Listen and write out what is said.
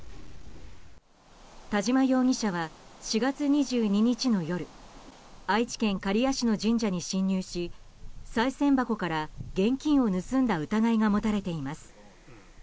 田島容疑者は４月２２日の夜愛知県刈谷市の神社に侵入しさい銭箱から現金を盗んだ疑いが持たれています。